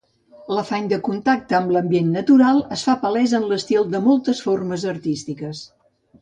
L'afany de contacte amb l'ambient natural es fa palès en l'estil de moltes formes artístiques.